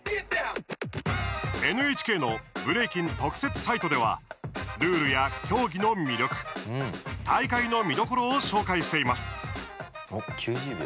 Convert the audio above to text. ＮＨＫのブレイキン特設サイトではルールや競技の魅力大会の見どころを紹介しています。